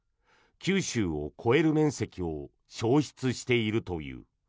九州を超える面積を焼失しているという。